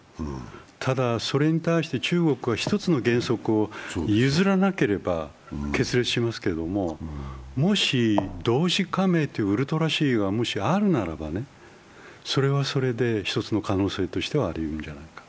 ただ、それに対して中国は１つの原則を譲らなければ結成しますけれども、もし同時加盟というウルトラＣがもしあるならそれはそれで一つの可能性としてはありうるんじゃないかと。